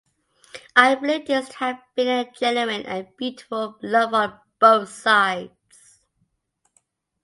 I believe this to have been a genuine and beautiful love on both sides.